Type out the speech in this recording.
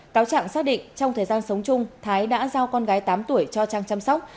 cáo trạng xác định trong thời gian sống chung thái đã giao con gái tám tuổi cho trang chăm sóc